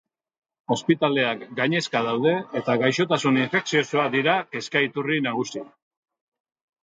Ospitaleak gainezka daude eta gaixotasun infekziosoak dira kezka iturri nagusi.